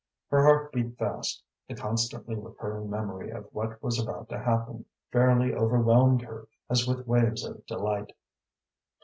Her heart beat fast; the constantly recurring memory of what was about to happen fairly overwhelmed her as with waves of delight.